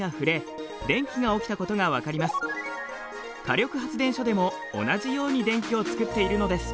火力発電所でも同じように電気を作っているのです。